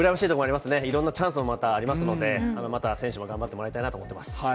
いろんなチャンスもまたありますので、また選手も頑張ってもらいないと思っています。